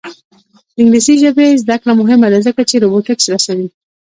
د انګلیسي ژبې زده کړه مهمه ده ځکه چې روبوټکس رسوي.